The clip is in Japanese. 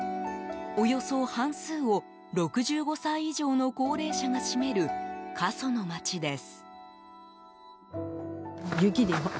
およそ半数を６５歳以上の高齢者が占める過疎の町です。